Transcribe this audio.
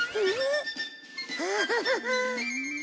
ハハハハ。